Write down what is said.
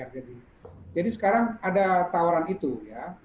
jadi sekarang ada tawaran itu ya